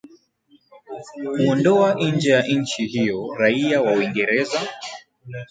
kuondoa nje ya nchi hiyo raia wa Uingereza